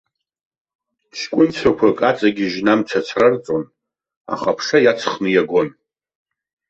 Ҷкәынцәақәак аҵагьежьны амца аҵарҵон, аха аԥша иаҵхны иагон.